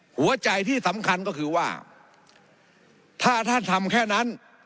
หัวใจที่สำคัญก็คือว่าถ้าท่านทำแค่นั้น